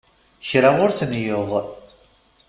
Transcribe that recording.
Kra ur ten-yuɣ.